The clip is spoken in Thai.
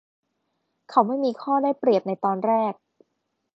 เขาไม่มีข้อได้เปรียบในตอนแรก